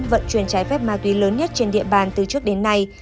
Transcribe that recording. vận chuyển trái phép ma túy lớn nhất trên địa bàn từ trước đến nay